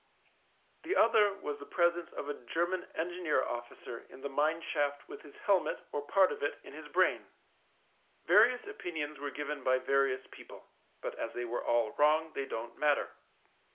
The other was the presence of a German Engineer Officer in the mine shaft with his helmet, or part of it, in his brain. Various opinions were given by various people ; but as they were all wrong, they don't matter.